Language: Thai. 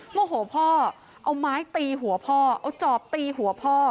โมโหพ่อเอาไม้ตีหัวพ่อเอาจอบตีหัวพ่อ